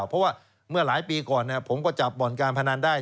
เพราะว่าเมื่อหลายปีก่อนผมก็จับบ่อนการพนันได้